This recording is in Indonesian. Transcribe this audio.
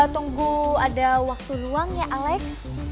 tunggu ada waktu luang ya alex